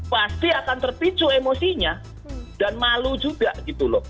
pasti akan terpicu emosinya dan malu juga gitu loh